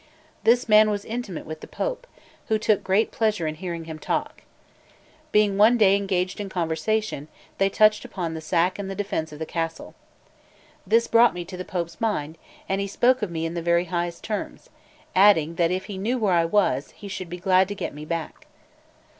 This man was intimate with the Pope, who took great pleasure in hearing him talk. Being one day engaged in conversation, they touched upon the sack and the defence of the castle. This brought me to the Pope's mind, and he spoke of me in the very highest terms, adding that if he knew where I was, he should be glad to get me back.